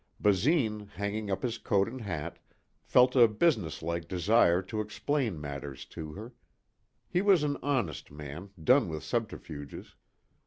Basine, hanging up his coat and hat, felt a businesslike desire to explain matters to her. He was an honest man, done with subterfuges.